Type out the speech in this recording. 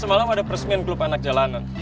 semalam ada peresmian klub anak jalanan